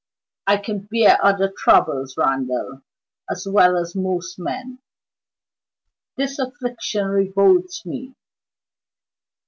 "I can bear other troubles, Randal, as well as most men. This affliction revolts me.